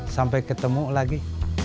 sampai ketemu lagi